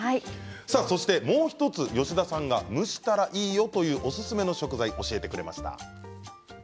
そしてもう１つ吉田さんが蒸したらいいよというおすすめの食材を教えてくれました。